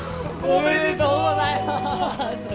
おめでとうございます！